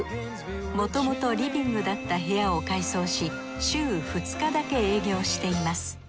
もともとリビングだった部屋を改装し週２日だけ営業しています。